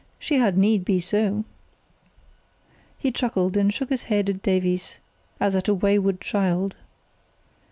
—she had need be so." He chuckled, and shook his head at Davies as at a wayward child.